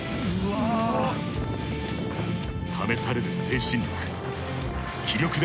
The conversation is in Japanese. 試される精神力。